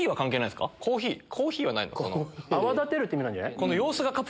泡立てるって意味なんじゃない？